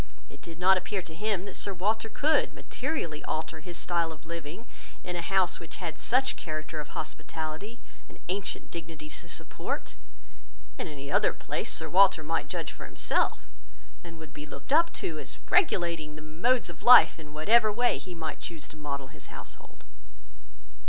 It did not appear to him that Sir Walter could materially alter his style of living in a house which had such a character of hospitality and ancient dignity to support. In any other place Sir Walter might judge for himself; and would be looked up to, as regulating the modes of life in whatever way he might choose to model his household."